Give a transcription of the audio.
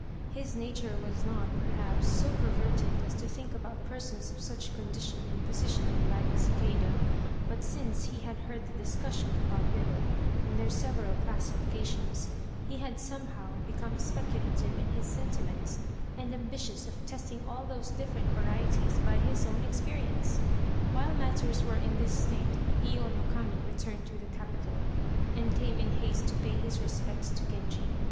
His nature was not, perhaps, so perverted as to think about persons of such condition and position in life as Cicada; but since he had heard the discussion about women, and their several classifications, he had somehow become speculative in his sentiments, and ambitious of testing all those different varieties by his own experience. While matters were in this state Iyo no Kami returned to the capital, and came in haste to pay his respects to Genji.